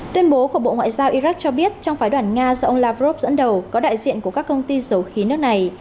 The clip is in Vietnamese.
tuyên bố của bộ ngoại giao iraq cho biết trong phái đoàn nga do ông lavrov dẫn đầu có đại diện của các công ty dầu khí nước này